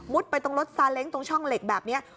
ไปตรงรถซาเล้งตรงช่องเหล็กแบบนี้